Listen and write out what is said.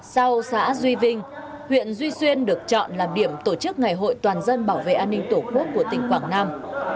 sau xã duy vinh huyện duy xuyên được chọn làm điểm tổ chức ngày hội toàn dân bảo vệ an ninh tổ quốc của tỉnh quảng nam